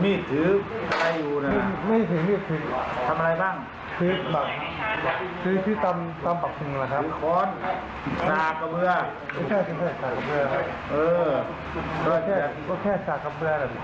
ไม่ได้ซื้อขวานสระเบลอซื้อขวานอย่างนึง